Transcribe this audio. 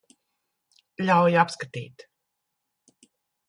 Ļauj apskatīt.